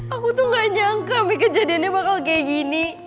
aku tuh gak nyangka nih kejadiannya bakal kayak gini